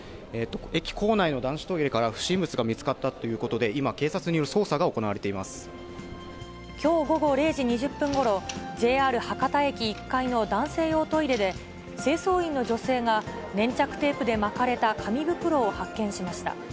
駅構内の男子トイレから不審物が見つかったということで、今、きょう午後０時２０分ごろ、ＪＲ博多駅１階の男性用トイレで、清掃員の女性が、粘着テープで巻かれた紙袋を発見しました。